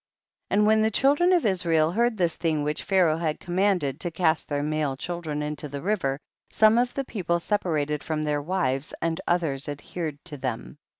53. And when the children of Israel heard this thing which Pha raoh had commanded, to cast their male children into the river, some of the people separated from their wives and others adhered to them.